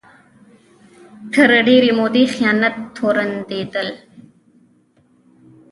تر ډېرې مودې خیانت تورنېدل